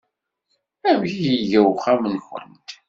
Amek iga uxxam-nwent?